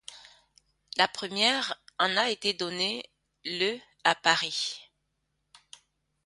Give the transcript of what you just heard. La première en a été donnée le à Paris.